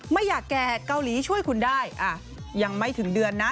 ไม่อยากแก่เกาหลีช่วยคุณได้ยังไม่ถึงเดือนนะ